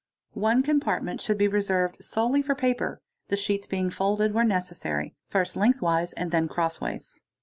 4 One compartment should be reserved solely for paper, the sh cet being folded, where necessary, first lengthways and then crossways.